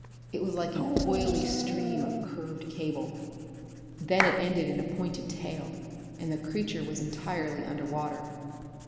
It was like an oily stream of curved cable; then it ended in a pointed tail and the creature was entirely under water....